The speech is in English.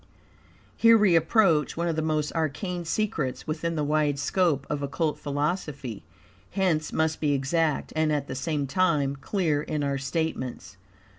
Here we approach one of the most arcane secrets within the wide scope of Occult philosophy, hence must be exact, and at the same time clear, in our statements.